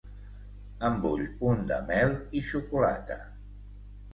En vull un de mel i xocolata.